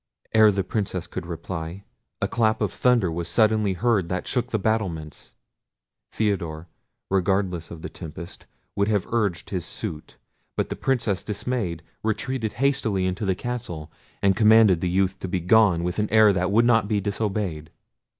Ere the Princess could reply, a clap of thunder was suddenly heard that shook the battlements. Theodore, regardless of the tempest, would have urged his suit: but the Princess, dismayed, retreated hastily into the castle, and commanded the youth to be gone with an air that would not be disobeyed.